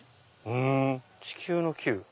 ふん地球の「球」。